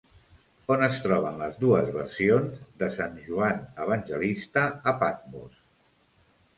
On es troben les dues versions de Sant Joan Evangelista a Patmos?